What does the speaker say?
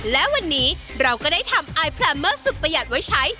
และวันนี้เราก็ได้ทำอายพรามเมอร์สุดประหยัดไว้ใช้